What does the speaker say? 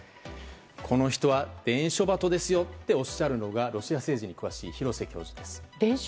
この人は、伝書バトですよとおっしゃるのがロシア政治に詳しい廣瀬教授です。